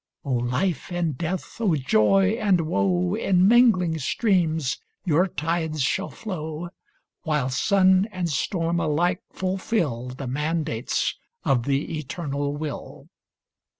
O life and death, O joy and woe. In mingling streams your tides shall flow. While sun and storm alike fulfil The mandates of the Eternal Will